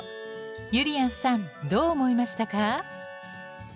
ゆりやんさんどう思いましたか？